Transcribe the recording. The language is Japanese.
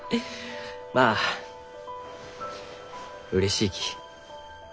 まあうれしいきわしは。